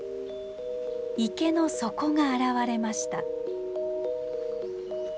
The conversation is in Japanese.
池の底が現れました。